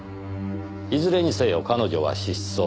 いずれにせよ彼女は失踪。